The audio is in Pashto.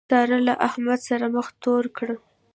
سارا له احمد سره مخ تور کړ.